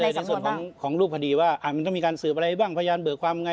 ในส่วนของรูปคดีว่ามันต้องมีการสืบอะไรบ้างพยานเบิกความไง